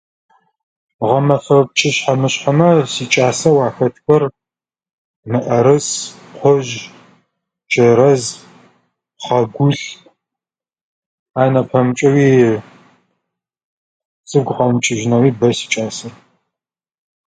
Гъэмэфэ пкӏышъхьэ-мышхьэмэ сикӏасэу ахэтхэр: мыӏэрыс, къужъ, чэрэз, пхъэгулъ. Ай нэпэмыкӏэуи сыгу къэмыкӏыжьынэуи бэ сикӏасэр.